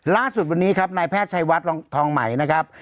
ล่าสุดวันนี้ครับนายแพทย์ชัยวัดทองใหม่นะครับ